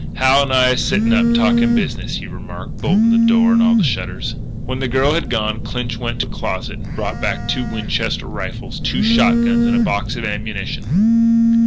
"Hal and I is sittin' up talkin' business," he remarked, bolting the door and all the shutters. When the girl had gone, Clinch went to a closet and brought back two Winchester rifles, two shot guns, and a box of ammunition.